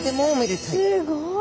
すごい。